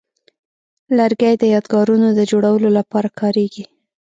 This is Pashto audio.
لرګی د یادګارونو د جوړولو لپاره کاریږي.